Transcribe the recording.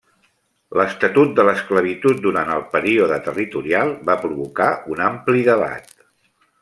L'estatut de l'esclavitud durant el període territorial va provocar un ampli debat.